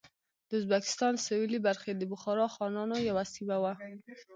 د ازبکستان سوېلې برخې د بخارا خانانو یوه سیمه وه.